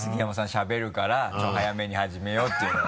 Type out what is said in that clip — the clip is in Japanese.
しゃべるからちょっと早めに始めようっていうのは。